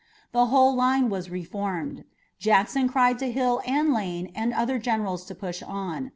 The whole line was reformed. Jackson cried to Hill and Lane and other generals to push on.